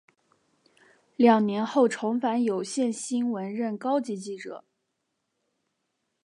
两年后重返有线新闻任高级记者。